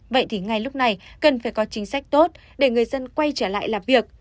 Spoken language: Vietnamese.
vậy thì ngay lúc này cần phải có chính sách tốt để người dân quay trở lại làm việc